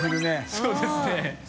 そうですね